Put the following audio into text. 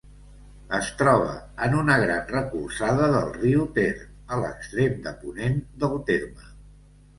Es troba en una gran recolzada del riu Ter, a l'extrem de ponent del terme.